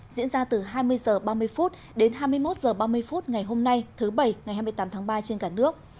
diễn ra từ hai mươi h ba mươi đến hai mươi một h ba mươi phút ngày hôm nay thứ bảy ngày hai mươi tám tháng ba trên cả nước